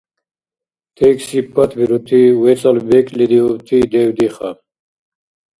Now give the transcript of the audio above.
Текст сипатбирути вецӀал бекӀлидиубти дев диха